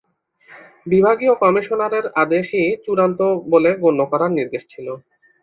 বিভাগীয় কমিশনারের আদেশই চূড়ান্ত বলে গণ্য করার নির্দেশ ছিল।